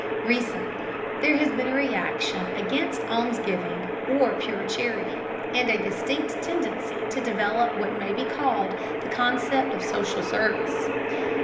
Recently there has been a reaction against almsgiving or pure charity, and a distinct tendency to develop what may be called the concept of social service.